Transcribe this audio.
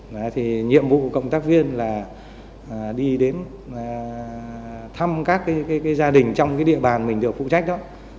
nhiệm vụ của công tác viên là đi đến thăm các gia đình trong địa bàn mình được phụ trách đó